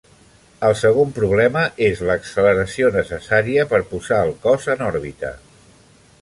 El segon problema és l'acceleració necessària per posar el cos en òrbita.